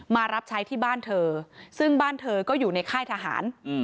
มารับใช้ที่บ้านเธอซึ่งบ้านเธอก็อยู่ในค่ายทหาร